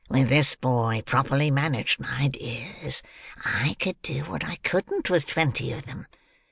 With this boy, properly managed, my dears, I could do what I couldn't with twenty of them.